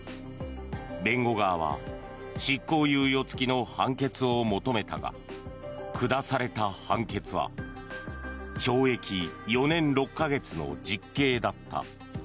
弁護側は執行猶予付きの判決を求めたが下された判決は懲役４年６か月の実刑だった。